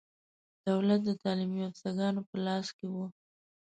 دولت د تعلیم یافته ګانو په لاس کې و.